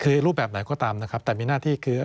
คือรูปแบบไหนก็ตามนะครับแต่มีหน้าที่คือ